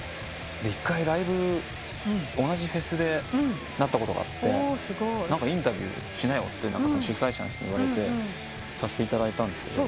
１回ライブ同じフェスになったことがあってインタビューしなよって主催者の人に言われてさせていただいたんですけど。